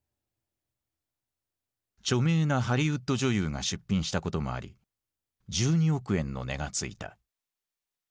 著名なハリウッド女優が出品したこともあり１２億円の値が付いた。